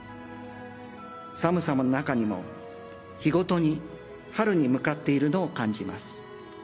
寒さの中にも、日ごとに春に向かっているのを感じます。